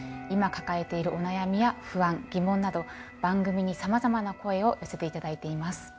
今抱えているお悩みや不安疑問など番組にさまざまな声を寄せて頂いています。